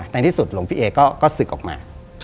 ในที่สุดหลวงพี่เอก็ศึกออกมา